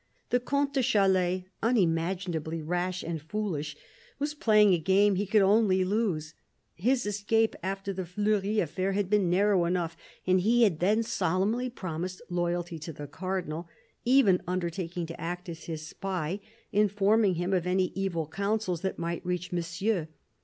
The Comte de Chalais, unimaginably rash and foolish, was playing a game he could only lose. His escape after the Fleury affair had been narrow enough, and he had then solemnly promised loyalty to the Cardinal, even undertaking to act as his spy, informing him of any evil counsels that might reach Monsieur.